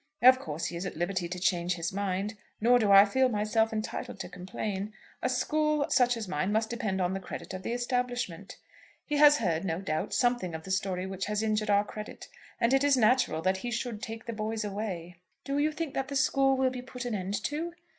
Of course he is at liberty to change his mind; nor do I feel myself entitled to complain. A school such as mine must depend on the credit of the establishment. He has heard, no doubt, something of the story which has injured our credit, and it is natural that he should take the boys away." "Do you think that the school will be put an end to?"